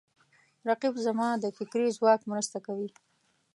رقیب زما د فکري ځواک مرسته کوي